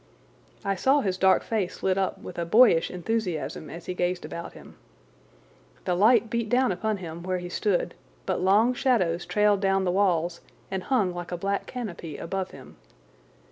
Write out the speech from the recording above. I saw his dark face lit up with a boyish enthusiasm as he gazed about him. The light beat upon him where he stood, but long shadows trailed down the walls and hung like a black canopy above him.